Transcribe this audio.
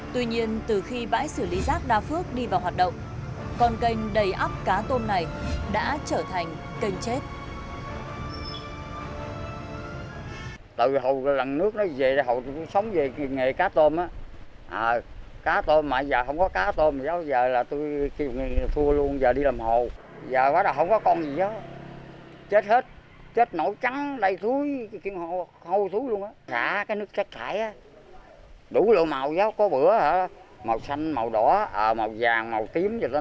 tuy nhiên từ khi bãi xử lý rác đa phước đi vào hoạt động con kênh đầy ấp cá tôm này đã trở thành kênh chết